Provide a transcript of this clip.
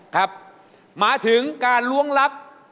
ครับมาถึงการล้วงลับ